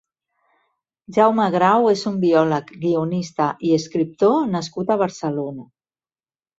Jaume Grau és un biòleg, guionista i escriptor nascut a Barcelona.